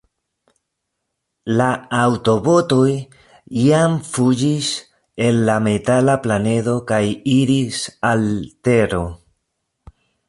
La aŭtobotoj jam fuĝis el la metala planedo kaj iris al Tero.